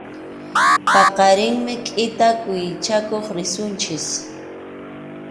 Paqarinmi kʼita quwi chakuq risunchik.